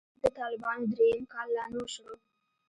د طالبانو درېيم کال لا نه و شروع.